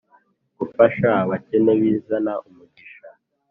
Gufasha abakene Bizana umugisha